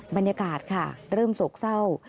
บรรยากาศค่ะเริ่มโศกเศร้า